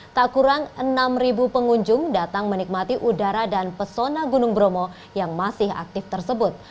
tak kurang enam pengunjung datang menikmati udara dan pesona gunung bromo yang masih aktif tersebut